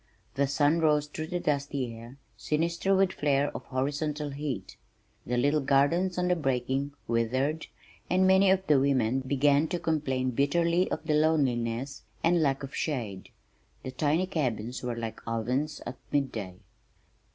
The sun rose through the dusty air, sinister with flare of horizontal heat. The little gardens on the breaking withered, and many of the women began to complain bitterly of the loneliness, and lack of shade. The tiny cabins were like ovens at mid day.